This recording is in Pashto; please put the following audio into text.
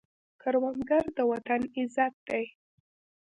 کروندګر د وطن عزت دی